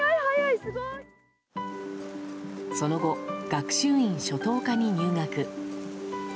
その後、学習院初等科に入学。